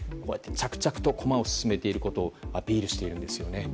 着々と駒を進めていることをアピールしているんです。